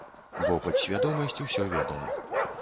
Бо падсвядомасць усё ведае.